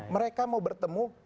mereka mau bertemu